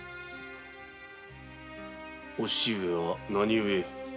お父上は何ゆえ？